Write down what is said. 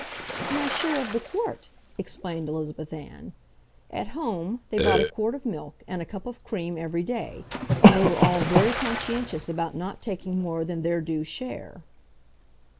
"My share of the quart," explained Elizabeth Ann. At home they bought a quart of milk and a cup of cream every day, and they were all very conscientious about not taking more than their due share.